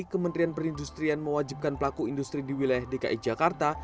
kementerian perindustrian mewajibkan pelaku industri di wilayah dki jakarta